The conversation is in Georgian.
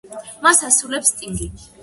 მას ასრულებს სტინგი.